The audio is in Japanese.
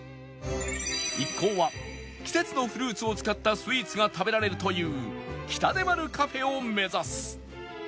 一行は季節のフルーツを使ったスイーツが食べられるというキタデマルカフェを目指す